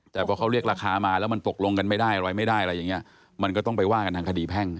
แต่พอเขาเรียกราคามาแล้วมันตกลงกันไม่ได้อะไรไม่ได้อะไรอย่างนี้มันก็ต้องไปว่ากันทางคดีแพ่ง